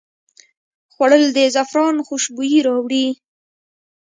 خوړل د زعفران خوشبويي راوړي